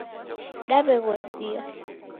Daw'eghosia